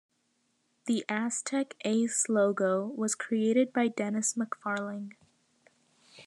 The Aztec Ace logo was created by Denis McFarling.